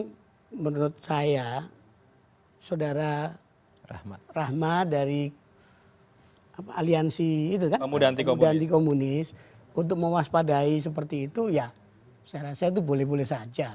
jadi menurut saya sodara rahmat dari aliansi pemuda anti komunis untuk mewaspadai seperti itu ya saya rasa itu boleh boleh saja